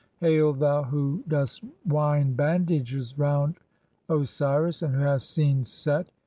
Hail, thou who dost wind bandages round "Osiris and who hast seen Set!